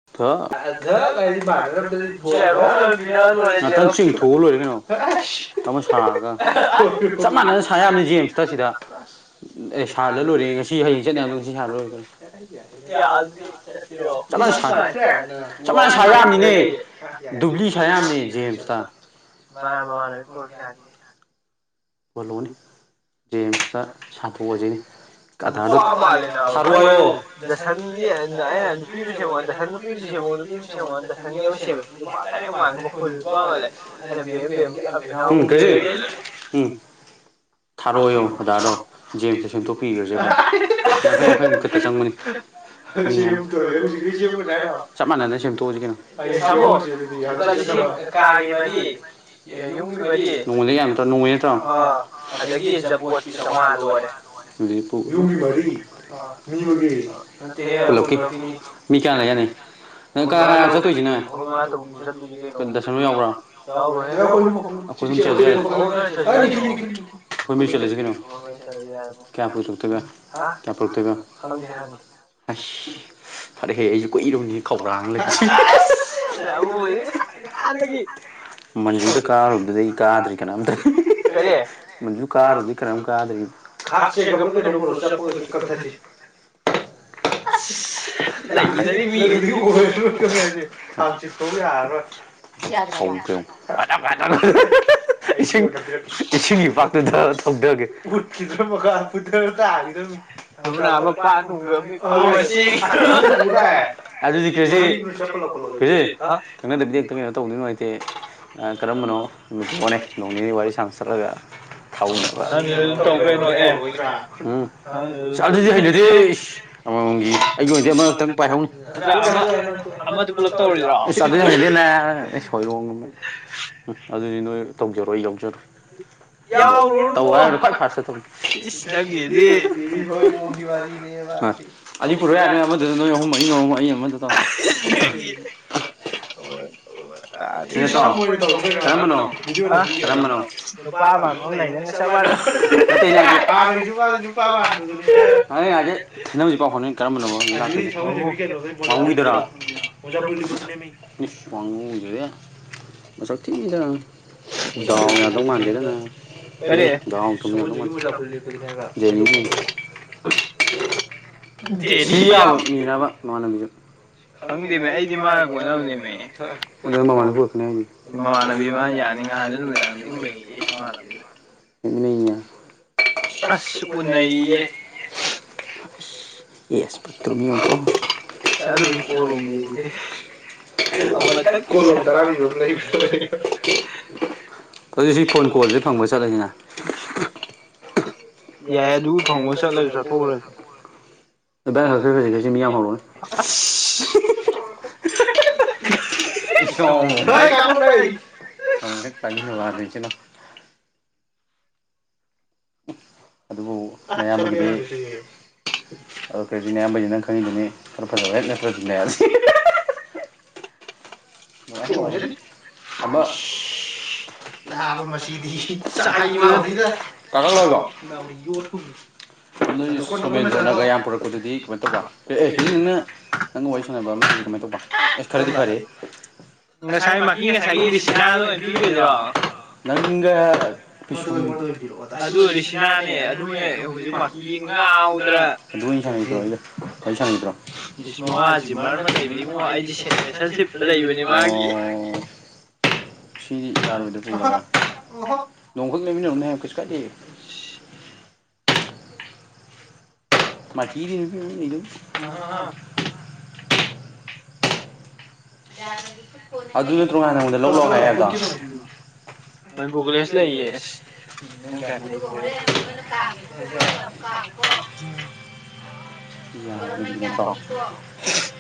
[unintelligible] ꯉꯥꯛꯇꯪ ꯆꯤꯡꯊꯣꯛꯑ ꯂꯣꯏꯔꯦ ꯀꯩꯅꯣ [unintelligible] ꯆꯞ ꯃꯥꯟꯅꯅ ꯁꯥ ꯌꯥꯝꯅꯤ ꯖꯦꯝꯁꯇ ꯁꯤꯗ ꯑꯦ ꯁꯥꯍꯜꯂ ꯂꯣꯏꯔꯦ ꯉꯁꯤ ꯍꯌꯦꯡ ꯆꯠꯅꯦ ꯍꯥꯏꯕꯗꯣ ꯉꯁꯤ ꯁꯥꯍꯜꯂ ꯂꯣꯏꯔꯦ ꯀꯩꯅꯣ [unintelligible] [unintelligible] ꯆꯠꯂꯣꯏ ꯁꯥ ꯆꯞꯃꯥꯟꯅꯅ ꯁꯥ ꯌꯥꯝꯅꯤꯅꯦ ꯗꯨꯕ꯭ꯂꯤ ꯁꯥ ꯌꯥꯝꯅꯦ ꯖꯦꯝꯁꯇ [unintelligible] ꯄꯣꯔꯛꯑꯣꯅꯦ ꯖꯦꯝꯁꯇ ꯁꯥꯟꯗꯣꯛꯑꯖꯤꯅꯦ [unintelligible] [unintelligible] [unintelligible] ꯊꯥꯔꯛꯑꯣꯌꯣ ꯑꯗꯥ꯭ꯔꯗꯣ ꯖꯦꯝꯁꯇ ꯁꯦꯝꯗꯣꯛꯄꯤꯒ꯭ꯔꯖꯦ ꯌꯣ ꯂꯨꯄꯥ ꯌꯥꯡꯈꯩ ꯌꯥꯡꯈꯩ ꯃꯨꯛ ꯛꯇ ꯆꯪꯕꯅꯤ [unintelligible] ꯀꯥꯡꯒꯤ ꯃꯔꯤ ꯌꯨꯝꯒꯤ ꯃꯔꯤ ꯅꯣꯡꯃꯗ ꯌꯥꯝ ꯅꯣꯡꯃꯩ ꯅꯠꯇ꯭ꯔꯣ ꯑꯗꯒꯤ ꯖꯕꯣꯠꯀꯤ ꯆꯥꯝꯃꯉꯥ ꯂꯣꯏꯔꯦ ꯌꯨꯝꯒꯤ ꯃꯔꯤ ꯑ ꯃꯤ ꯑꯃꯒꯤ ꯅꯠꯇꯦꯍꯦ ꯑꯩꯈꯣꯏ ꯄꯨꯂꯞꯀꯤꯅꯤ ꯃꯤ ꯀꯌꯥ ꯂꯩꯕ ꯌꯥꯅꯤ [unintelligible] ꯈꯣꯏ ꯃꯉꯥ ꯇꯔꯨꯛ ꯃꯨꯛ ꯆꯠꯇꯣꯏꯅꯤ ꯀꯩꯅꯣ [unintelligible] [unintelligible] ꯑꯩꯈꯣꯏ ꯃꯔꯤ ꯆꯠꯂꯖꯤ ꯀꯩꯅꯣ ꯀꯌꯥ ꯄꯨꯛꯇ ꯀꯌꯥ ꯄꯨꯔꯛꯇꯣꯏꯕ ꯑꯁ [unintelligible] ꯃꯟꯖꯨꯗ ꯀꯥꯔꯨꯕꯗꯨꯗ ꯑꯩ ꯀꯥꯗ꯭ꯔꯤ ꯀꯅꯥꯝꯇ ꯀꯔꯤ ꯃꯟꯖꯨ [unintelligible] [unintelligible] [unintelligible] ꯊꯧꯒꯦ ꯌꯦꯡꯉꯨ [unintelligible] ꯏꯁꯤꯡ ꯏꯁꯤꯡ ꯏꯄꯥꯛꯇ [unintelligible] ꯊꯧꯗꯦꯒꯦ [unintelligible] [unintelligible] ꯈꯪꯅꯗꯕꯤꯗꯤ ꯍꯦꯛꯇ ꯀꯩꯅꯣ ꯇꯧꯌꯗꯤ ꯅꯨꯡꯉꯥꯏꯇꯦ ꯀꯔꯝꯕꯅꯣ [unintelligible] ꯋꯥꯔꯤ ꯁꯥꯟꯅꯁꯤ [unintelligible] [unintelligible] ꯑꯗꯨꯗꯤ ꯍꯩꯅꯗꯤꯍꯦ [unintelligible] [unintelligible] [unintelligible] ꯑꯗꯨ ꯄꯨꯔꯛ ꯌꯥꯔ ꯅꯣꯏ ꯑꯃꯗꯨꯗ ꯅꯣꯏ ꯑꯍꯨꯝ ꯑꯩꯅ ꯑꯍꯨꯝ ꯑꯩ ꯑꯃꯗꯨ ꯇ [unintelligible] [unintelligible] [unintelligible] [unintelligible] [unintelligible] [unintelligible] ꯁꯤ ꯌꯥꯕ ꯃꯤꯔꯕ ꯅꯃꯥꯟꯅꯕꯤꯗꯨ ꯈꯪꯗꯦꯃꯦ ꯑꯩꯗꯤ ꯃꯥꯒ ꯀꯣꯏꯅꯕꯅꯦꯃꯦ ꯃꯃꯥꯟꯅꯕꯤ ꯃꯥ ꯌꯥ ꯉꯍꯥꯟꯖꯨ ꯅꯨꯃꯤꯗꯥꯡꯗ [unintelligible] [unintelligible] ꯅꯩꯌꯦ [unintelligible] [unintelligible] [unintelligible] ꯍꯧꯖꯤꯛ ꯁꯤ ꯐꯣꯟ ꯀꯣꯜꯖꯤ ꯐꯪꯕ ꯆꯠꯂꯖꯤꯅ ꯌꯥꯏ ꯑꯗꯨꯝ ꯐꯪꯕꯒ [unintelligible] ꯆꯠꯊꯣꯛꯎꯔꯖꯤ [unintelligible] ꯑꯁ [unintelligible] [unintelligible] [unintelligible] ꯑꯗꯨꯕꯨ ꯅꯌꯥꯝꯕꯒꯤꯗꯤ ꯑꯗꯨ [unintelligible] ꯅꯌꯥꯝꯕꯩꯗꯤ ꯅꯪ ꯈꯪꯉꯤꯗꯨꯅꯤ ꯈꯔ ꯐꯖꯕ ꯍꯦꯛ ꯅꯠꯇ꯭ꯔꯗꯤꯅꯦ [unintelligible] [unintelligible] ꯑꯃ ꯆꯥꯕ ꯃꯁꯤꯗꯤ ꯆꯥꯏ [unintelligible] ꯅꯣꯏ ꯁꯣꯃꯦꯟꯗ꯭ꯔꯣꯅꯒ ꯌꯥꯝ ꯄꯨꯔꯛꯄꯗꯨꯗꯤ ꯀꯃꯥꯏ ꯇꯧꯕ ꯑꯦ ꯑꯦ [unintelligible] ꯅꯪꯅ ꯅꯪ ꯋꯥꯔꯤ ꯁꯥꯟꯅꯕ ꯑꯃ ꯀꯃꯥꯏ ꯇꯧꯕ ꯑꯁ ꯈꯔꯗꯤ ꯐꯔꯦ ꯉꯁꯥꯏ ꯃꯥꯀꯤꯡ ꯉꯁꯥꯏꯒꯤ [unintelligible] ꯑꯣꯏꯅ ꯄꯤꯔꯨꯖꯤꯔꯣ ꯅꯪꯒꯥ [unintelligible] [unintelligible] [unintelligible] ꯂꯩꯕꯅꯦ ꯃꯥ ꯁꯤꯗꯤ ꯌꯥꯔꯣꯏꯗꯕꯣꯏ ꯅꯣꯡꯈꯛ [unintelligible] ꯀꯩꯁꯨ ꯀꯥꯏꯗꯦ [unintelligible] ꯃꯥꯀꯤ [unintelligible] ꯑꯗꯨ ꯅꯠꯇ꯭ꯔꯣ ꯉꯍꯥꯟ ꯅꯪꯉꯣꯟꯗ ꯂꯧ ꯂꯥꯛꯑꯣ ꯍꯥꯏ ꯍꯥꯏꯕꯗꯣ [unintelligible] ꯄꯨꯂꯤꯁ ꯂꯩꯌꯦ ꯑꯗꯨꯒ ꯍꯣꯔꯦꯟ [unintelligible] [unintelligible]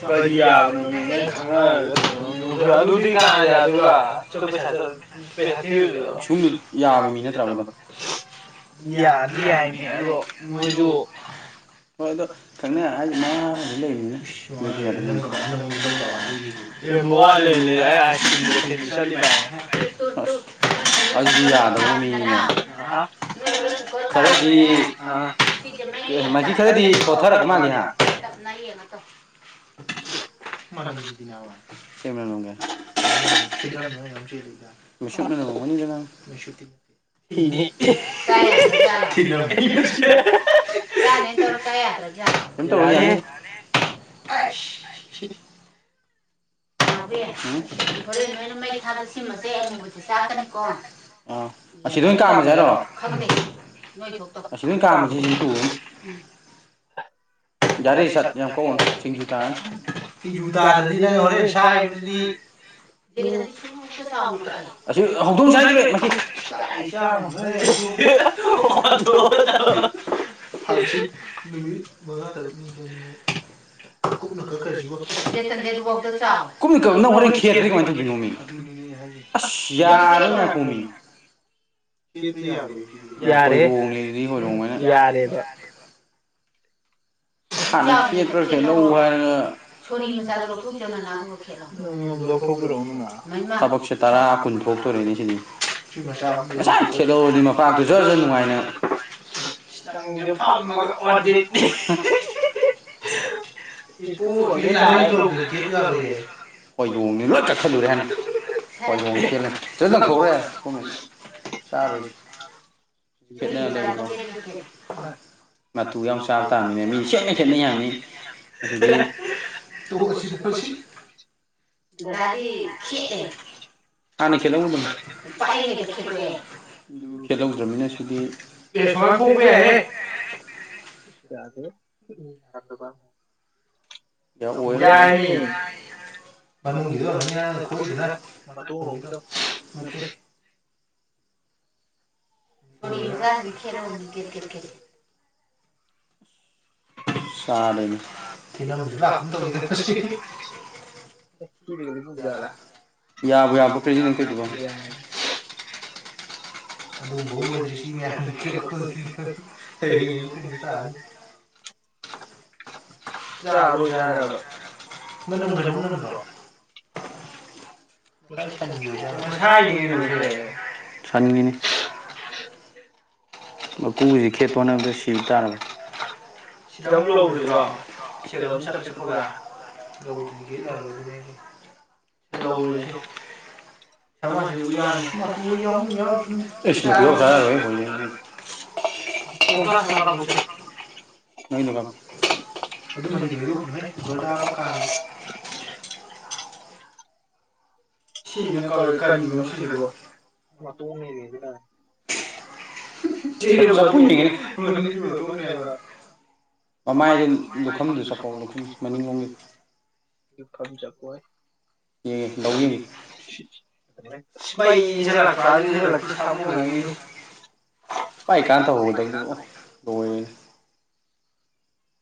[unintelligible] ꯀꯔꯤ ꯌꯥꯕꯅꯣꯃꯦ [unintelligible] ꯑꯗꯨꯗꯤ ꯀꯅꯥ ꯌꯥꯗꯣꯏꯕ [unintelligible] ꯌꯥꯕ ꯃꯤ ꯅꯠꯇ꯭ꯔꯥꯕꯗꯣ ꯌꯥꯗꯤ ꯌꯥꯏꯃꯦ ꯑꯗꯣ ꯃꯣꯏꯖꯨ ꯍꯣꯏ ꯑꯗꯨ ꯈꯪꯅ ꯍꯥꯏꯗꯤ [unintelligible] [unintelligible] ꯇꯨ ꯇꯨ ꯇꯨ ꯑꯗꯨꯗꯤ ꯌꯥꯗꯧꯕ ꯃꯤꯅꯤꯅꯦ ꯈꯔꯗꯤ ꯃꯍꯤ ꯈꯔꯗꯤ ꯀꯣꯊꯔꯛ ꯄ ꯃꯥꯜꯂꯤ ꯍꯥ [unintelligible] ꯃꯩꯁꯨꯠ ꯃꯅꯝ ꯅꯝꯃꯝꯒꯅꯤꯗ ꯅꯪ ꯆꯥ ꯌꯥꯗ꯭ꯔ ꯖꯥꯠꯂꯣ ꯆꯥꯅꯤ ꯇꯧꯔꯥ ꯆꯥ ꯌꯥꯗ꯭ꯔ ꯖꯥꯠꯂꯣ ꯑꯗꯨꯝ ꯇꯧꯔ ꯌꯥꯅꯤ ꯅꯥꯎꯕꯤ ꯍꯣꯔꯦꯟ ꯅꯣꯏꯅ ꯃꯩ ꯊꯥꯕꯗ ꯁꯤꯃꯆꯩ ꯑꯃꯨꯕꯁꯦ ꯆꯥꯛꯀꯅꯤꯀꯣ ꯑꯥ ꯑꯁꯤꯗ ꯑꯣꯏꯅ ꯀꯥꯝꯃꯖꯦ ꯍꯥꯏꯔꯣ ꯅꯣꯏ ꯊꯣꯛ ꯇꯧ ꯑꯁꯤꯗ ꯑꯣꯏ ꯀꯥꯝꯃꯖꯦ ꯑꯁꯤꯅ ꯊꯨꯅꯤ ꯗꯥꯔꯦ ꯆꯠ ꯌꯥꯝ ꯀꯛꯎꯔꯅꯨ ꯁꯤꯡꯖꯨ ꯇꯥꯔꯅꯤ ꯁꯤꯡꯖꯨ ꯇꯥꯗ꯭ꯔꯗꯤ ꯅꯪ ꯍꯣꯔꯦꯟ ꯁꯥ ꯁꯥꯏꯕꯗꯨꯗꯤ ꯑꯁꯤ ꯍꯧꯗꯣꯡ ꯆꯥꯒꯤꯗꯧꯔꯦ ꯃꯁꯤ [unintelligible] ꯍꯥꯏ ꯅꯨ ꯃꯉ ꯇ ꯅ ꯀꯔꯦ ꯑꯗꯨꯕꯣꯛꯗ ꯆ ꯀꯨꯝꯃꯤ ꯀ ꯅꯪ ꯍꯣꯔꯦꯟ ꯈꯦꯠꯈ꯭ꯔꯦ ꯀꯃꯥꯏꯅ ꯇꯧꯗꯦ ꯅꯣꯃꯤ ꯑꯁ ꯌꯥꯔꯣꯏ ꯉꯥꯏ ꯀꯣꯃꯤ ꯍꯣꯏꯔꯣꯡꯅꯦ ꯁꯤꯗꯤ ꯍꫭꯏꯔꯣꯡ ꯃꯥꯏꯅ ꯍꯥꯏꯔꯒ ꯁꫭꯔꯤ ꯃꯆꯥꯗꫭ ꯂꯧꯊꫭꯛꯎꯆꫭ ꯏꯅꯥꯎ ꯑꯗꯨꯒ ꯈꯦꯠꯂꫭ ꯊꯕꯛꯁꯦ ꯇꯔꯥ ꯀꯨꯟ ꯊꯣꯛꯇꯣꯔꯦꯅꯦ ꯁꯤꯗꯤ ꯉꯁꯥꯏꯅ ꯈꯦꯠꯍꯧꯔꯗꯤ ꯃꯄꯥꯛꯇꯨ ꯖꯔ ꯖꯔ ꯅꯨꯡꯉꯥꯏꯅ ꯅꯪꯁꯨ ꯐꯝꯃꯒ ꯑꯣꯗꯤꯠꯅꯤ ꯍꯣꯏ ꯅꯣꯡꯅꯤ ꯂꯣꯏ ꯀꯛꯊꯠꯂꯨꯔꯦ ꯍꯥꯏꯅ ꯍꯣꯏꯔꫭꯡ ꯁꯦꯠꯂꯅꯤ ꯂꫭꯏ ꯂꯪꯊꯣꯛꯈ꯭ꯔꫭ ꯌꯥꯔꯦ ꯆ ꯇꯨ ꯌꯥ ꯆꯥꯎ ꯇꯔꯗꯦ ꯃꯤ ꯇꯁꯤꯗ ꯗꯗꯥꯗꯤ ꯈꯦꯠꯂꯦ ꯍꯥꯟꯅꯉꯩꯗꯦ ꯑꯗꯨꯗꯕꯅꯦ ꯑꯦ ꯁꯨꯃꯥꯏꯅ ꯈꫭꯛꯄ ꯌꯥꯏꯍꯦ ꯍꯥꯏ ꯃꯤ ꯃꯅꯨꯡꯒꯤꯗꯣ ꯑꯣꯏꯔꯝꯒꯅꯤ ꯅꯪꯅ ꯈꫭꯛꯏꯗꯅ ꯃꯇꯣꯡ ꯂꫭꯝꯒꯤꯗꯣ ꯅꯠꯇꯦ ꯍꯤꯟꯖꯥꯡꯗꯤ ꯗꯤ ꯈꯦꯠꯂꫭꯅꯤ ꯀꯦꯠ ꯀꯦꯠ ꯀꯦꯠ ꯑ ꯂꯥꯛꯀ ꯇꯧ ꯏꯗ ꯂꯩꯂ ꯀꯇ ꯍꯥꯏ ꯑꯂꯨ ꯃꯍꯨꯝꯒ ꯑꯗꯨꯒ ꯁꯤ ꯃꯌꯥꯝꯁꯤ ꯈꯦꯠꯂꯛꯄꯗꯗꯤ ꯍꯌꯦꯡ ꯑꯌꯨꯛ ꯀꯨꯝꯕ ꯇꯥꯔꯅꯤ ꯌꯥꯔꯣꯏꯖ ꯍꯥꯏꯔꯕ ꯃꯅꯝ ꯀꯩꯅꯣꯝ ꯅꯝꯗ꯭ꯔꫭ ꯁꯥꯅꯤꯡꯉꯤꯅꯦ [inaudible] ꯃꯀꯨꯁꯤ ꯈꯦꯠꯄ ꯍꯣꯠꯅꯕꯗ ꯁꯤ ꯇꯥꯔꯕꯅꯤ [unintelligible] [unintelligible] ꯁꯤ ꯂꯧꯔꯖꯦ ꯁꯦ [unintelligible] [inaudible] [unintelligible] ꯃꯩꯗꯣ ꯀꯥꯞꯄꯣ ꯑꯗꯨ ꯃꯍꯤꯗꯣ ꯍꯩꯗꯣꯛꯈꯤꯅꯨꯍꯦ ꯀꯨꯀꯔꯗ ꯍꯥꯞꯄꯒ ꯀꯥꯝꯃꯒꯦ ꯁꯤꯖꯤꯅ ꯀꯧꯏ ꯀꯔꯤꯅꯣ ꯁꯤꯁꯤꯕꯣ ꯋꯇꯣꯡꯅꯦꯃꯤ [unintelligible] [unintelligible] [unintelligible] [unintelligible] [unintelligible] ꯁꯃꯨ ꯅꯪꯖꯤꯗꯤ [unintelligible] ꯇꯧꯍꯧꯒꯗꯕꯗꯨ ꯑꯣ ꯂꯣꯏꯔꯦꯅꯦ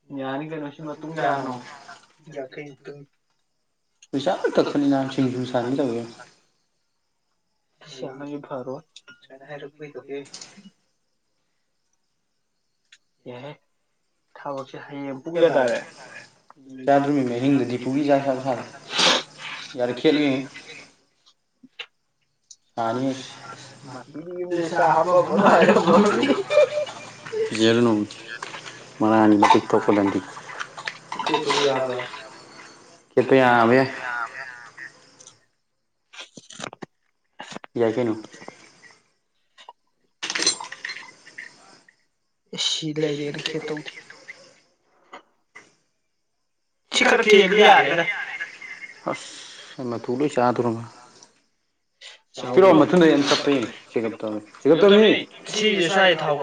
[unintelligible] ꯀꯌꯥꯅꯣ [unintelligible] ꯄꯩꯁꯥ ꯂꯣꯏ ꯀꯛꯊꯠꯅꯤꯅꯕ ꯁꯤꯡꯖꯨ ꯁꯥꯍꯅꯤ ꯇꯧꯋꯦ [unintelligible] ꯌꯥꯔꯣꯏ [inaudible] [unintelligible] ꯌꯥꯔꯦ [unintelligible] [unintelligible] [unintelligible] [unintelligible] ꯌꯥꯏ ꯀꯩꯅꯣ ꯑꯦꯁ ꯁꯤ ꯂꯩꯔꯦꯅ ꯈꯦꯠꯇꯧꯗꯦ [unintelligible] ꯑꯁ [unintelligible] ꯃꯇꯨ ꯂꯣꯏ ꯆꯥꯗꯣꯔꯕ [inaudible] ꯄꯤꯔꯛꯑꯣ ꯃꯊꯨꯟꯗꯣ ꯑꯩ ꯑꯝ ꯆꯞꯄ ꯌꯦꯡꯒꯦ ꯆꯦꯒꯞꯇꯣ ꯑꯝ ꯆꯦꯒꯞꯇꯣ ꯍꯥꯏꯕꯅꯤꯅꯦ ꯁꯤꯁꯦ ꯁ꯭ꯋꯥꯏꯗ ꯊꯥꯎꯀꯣ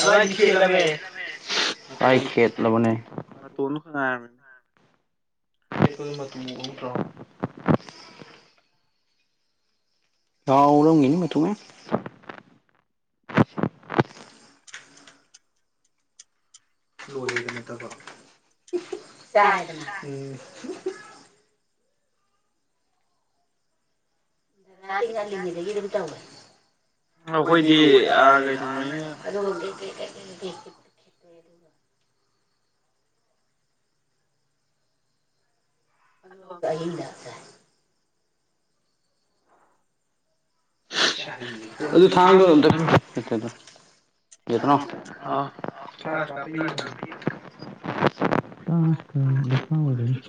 ꯑꯗꯣ ꯑꯩꯗꯤ ꯈꯦꯠꯂꯕꯅꯦ ꯑꯩ ꯈꯦꯠꯂꯕꯅꯦ ꯃꯇꯣꯟꯗꯣ ꯈꯛ ꯉꯥꯏꯔꯕꯅꯦ [unintelligible] ꯌꯥꯔꯝꯈꯤꯅꯤ ꯃꯇꯨ ꯃꯌꯥꯝ [unintelligible] ꯗꯥꯏꯅꯗꯤ ꯉꯜꯂꯤꯉꯩꯗꯩ ꯑꯗꯨꯝ ꯇꯧꯈ꯭ꯔꯦ꯫ ꯑꯩꯈꯣꯏꯗꯤ ꯑ ꯗꯥꯏꯅꯥꯅ [unintelligible] [unintelligible] ꯑꯗꯨ ꯊꯥꯡꯗ ꯑꯝꯇ ꯄꯤꯔꯛꯑꯣ ꯌꯦꯡꯉꯛꯀꯅꯨ꯫ ꯑ ꯐ꯭ꯂꯥꯁ ꯀꯥꯞꯄ ꯌꯦꯡꯕꯅꯦ [unintelligible]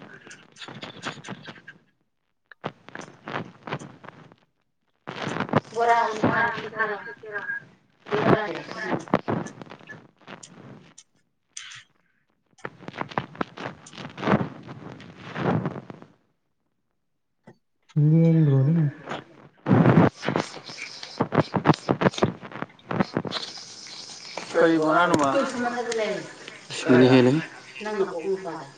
[unintelligible] ꯂꯦꯡꯒ꯭ꯔꯣꯅꯦ ꯀꯩꯅꯣ ꯕꯣꯔꯥꯅ ꯇꯨ ꯁꯣꯝ ꯃꯊꯛꯇ ꯂꯩꯔꯦ ꯅꯪ ꯀꯣꯛ ꯃꯄꯥꯗ [inaudible]